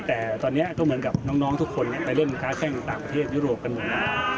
แต่ตอนนี้ก็เหมือนกับน้องทุกคนไปเล่นค้าแข้งต่างประเทศยุโรปกันหมดแล้ว